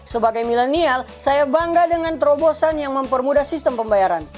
sebagai milenial saya bangga dengan terobosan yang mempermudah sistem pembayaran